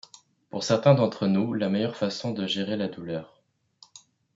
pour certains d'entre nous, la meilleure façon de gérer la douleur